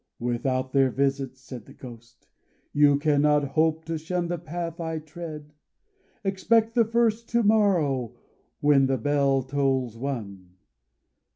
"Without their visits," said the Ghost, "you cannot hope to shun the path I tread. Expect the first to morrow, when the bell tolls One."